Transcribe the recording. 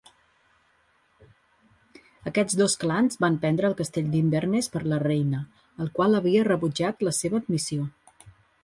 Aquests dos clans van prendre el Castell d'Inverness per a la Reina, el qual havia rebutjat la seva admissió.